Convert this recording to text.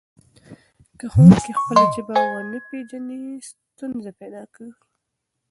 که ښوونکی خپله ژبه ونه پېژني ستونزه پیدا کېږي.